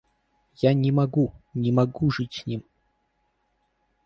Я не могу, не могу жить с ним.